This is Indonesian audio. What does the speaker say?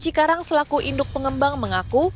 pt lipoci karang selaku induk pengembang mengaku